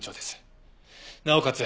なおかつ